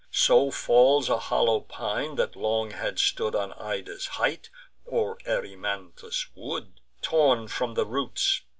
So falls a hollow pine, that long had stood On Ida's height, or Erymanthus' wood, Torn from the roots.